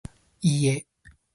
Yep.